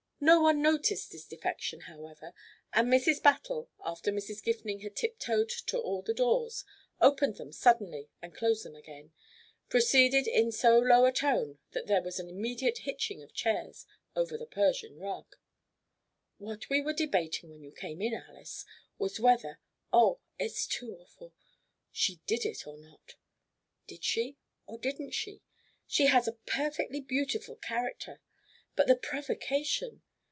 No one noticed this defection, however, and Mrs. Battle after Mrs. Gifning had tiptoed to all the doors, opened them suddenly and closed them again, proceeded in so low a tone that there was an immediate hitching of chairs over the Persian rug: "What we were debating when you came in, Alys, was whether oh, it's too awful! she did it or not. Did she or didn't she? She has a perfectly beautiful character but the provocation!